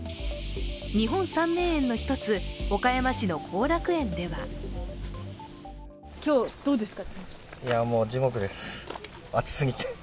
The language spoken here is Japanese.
日本三名園の一つ、岡山市の後楽園では今日どうですか？